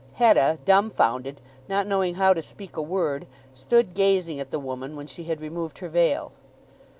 Hetta, dumbfounded, not knowing how to speak a word, stood gazing at the woman when she had removed her veil.